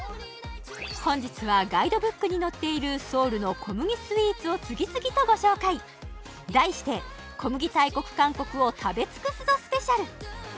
本日はガイドブックに載っているソウルの小麦スイーツを次々とご紹介題して小麦大国韓国を食べ尽くすぞスペシャル！